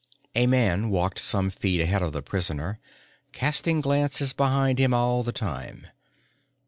A man walked some feet ahead of the prisoner, casting glances behind him all the time.